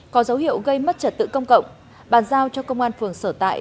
có dấu hiệu gây mất trật tự công cộng bàn giao cho công an phường sở tại